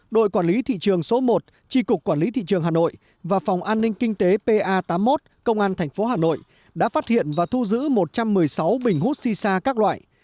đội quản lý thị trường số một tri cục quản lý thị trường hà nội và phòng an ninh kinh tế pa tám mươi một công an tp hà nội đã phát hiện và thu giữ một trăm một mươi sáu bình hút xì xa các loại